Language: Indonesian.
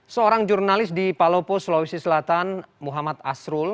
seorang jurnalis di palopo sulawesi selatan muhammad asrul